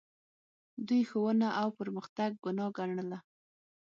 دوی ښوونه او پرمختګ ګناه ګڼله